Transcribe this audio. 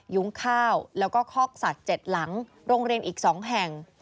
ยุ้งข้าวแล้วก็คอกสัตว์๗หลังโรงเรียนอีก๒แห่ง